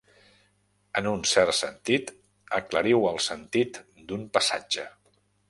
En un cert sentit, aclariu el sentit d'un passatge.